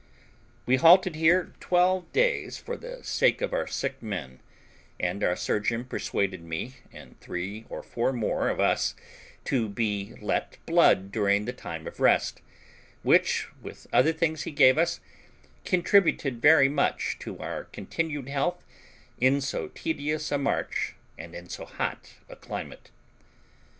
We halted here twelve days for the sake of our sick men, and our surgeon persuaded me and three or four more of us to be let blood during the time of rest, which, with other things he gave us, contributed very much to our continued health in so tedious a march and in so hot a climate.